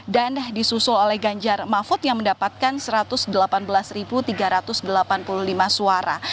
dan disusul oleh ganjar mahfud yang mendapatkan satu ratus delapan belas tiga ratus delapan puluh lima suara